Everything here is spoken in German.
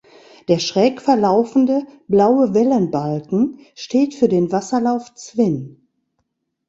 Der schräg verlaufende blaue Wellenbalken steht für den Wasserlauf Zwin.